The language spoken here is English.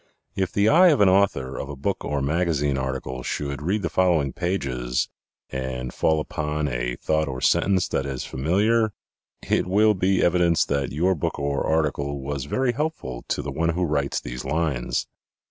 If the eye of an author of a book or magazine article should read the following pages and fall upon a thought or sentence that is familiar it will be evidence that your book or article was very helpful to the one who writes these lines.